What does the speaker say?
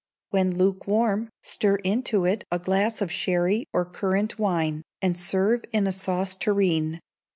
When lukewarm, stir into it a glass of sherry or currant wine, and serve in a sauce tureen.